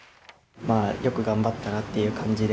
よく頑張ったなという感じで、